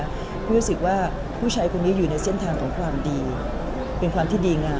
รู้สึกว่าผู้ชายคนนี้อยู่ในเส้นทางของความดีเป็นความที่ดีงาม